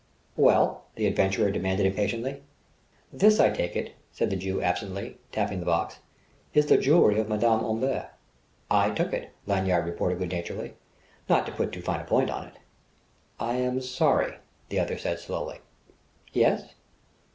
"Well?" the adventurer demanded impatiently. "This, I take it," said the Jew absently, tapping the box, "is the jewellery of Madame Omber." "I took it," Lanyard retorted good naturedly "not to put too fine a point upon it!" "I am sorry," the other said slowly. "Yes?"